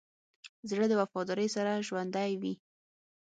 زړه د وفادارۍ سره ژوندی وي.